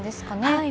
はい。